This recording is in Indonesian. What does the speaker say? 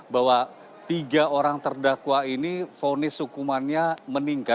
bahwa tiga orang terdakwa ini vonis hukumannya meningkat